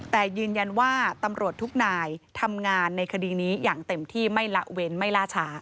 แต่ยืนยันว่าตำรวจทุกนายทำงานในคดีนี้อย่างเต็มที่ไม่ละเว้นไม่ล่าช้า